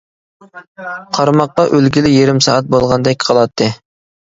قارماققا ئۆلگىلى يېرىم سائەت بولغاندەك قىلاتتى.